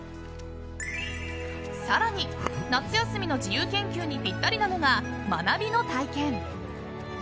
更に、夏休みの自由研究にぴったりなのが学びの体験。